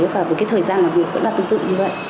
và với cái thời gian làm việc vẫn là tương tự như vậy